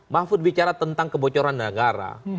mahfud bicara tentang kebocoran negara